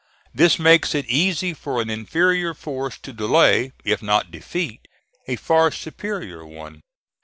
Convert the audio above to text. This makes it easy for an inferior force to delay, if not defeat, a far superior one.